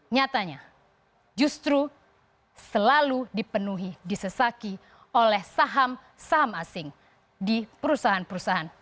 nyatanya justru selalu dipenuhi disesaki oleh saham saham asing di perusahaan perusahaan